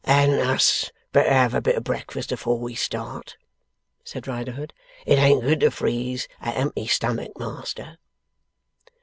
'Hadn't us better have a bit o' breakfast afore we start?' said Riderhood. 'It ain't good to freeze a empty stomach, Master.